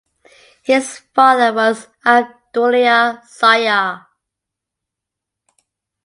His father was Abdullah Sayar.